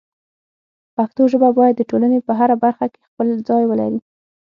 پښتو ژبه باید د ټولنې په هره برخه کې خپل ځای ولري.